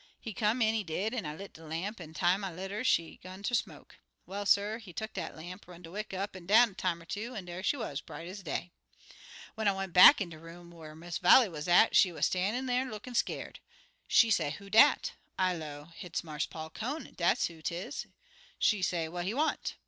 He come in, he did, an' I lit de lamp, an' time I lit 'er she 'gun ter smoke. Well, suh, he tuck dat lamp, run de wick up an' down a time er two, an' dar she wuz, bright ez day. "When I went back in de room whar Miss Vallie wuz at, she wuz stan'in' dar lookin' skeer'd. She say, 'Who dat?' I 'low, 'Hit's Marse Paul Conant, dat's who 'tis.' She say, 'What he want?'